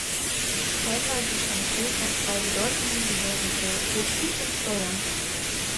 Zeitweise stand Schaefer zwei bedeutenden Behörden vor: Justiz und Steuern.